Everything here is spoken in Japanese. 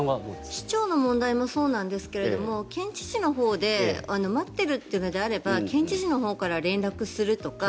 市長の問題もそうなんですけども県知事のほうで待っているっていうのであれば県知事のほうから連絡するとか